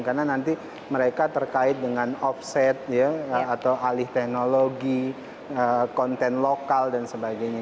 karena nanti mereka terkait dengan offset atau alih teknologi konten lokal dan sebagainya